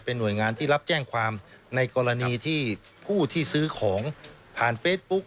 หน่วยงานที่รับแจ้งความในกรณีที่ผู้ที่ซื้อของผ่านเฟซบุ๊ก